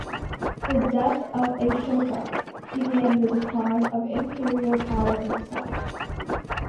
The death of Ashoka began the decline of imperial power in the south.